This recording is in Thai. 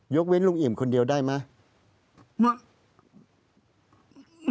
เว้นลุงเอี่ยมคนเดียวได้ไหม